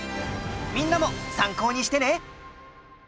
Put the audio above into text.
みんなも参考にしてね！